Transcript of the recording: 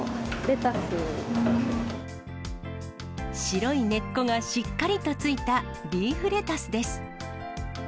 白い根っこがしっかりと付いたリーフレタスです。